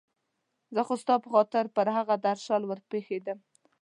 زه خو ستا په خاطر پر هغه درشل ور پېښېدم.